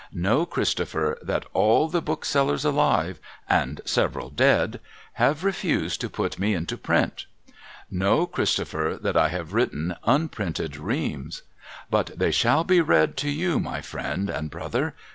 Know, Christopher, that all the Booksellers alive— and 320 SOMEBODY'S LUGGAGE several dead — have refused to put me into print. Know, Christo pher, that I have written unprinted Reams. But they shall be read to you, my friend and brother.